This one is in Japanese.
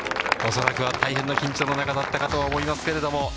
恐らくは大変な緊張の中だったかとは思いますけれども。